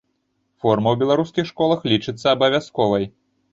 Форма ў беларускіх школах лічыцца абавязковай.